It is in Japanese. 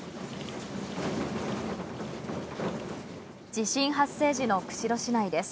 地震発生時の釧路市内です。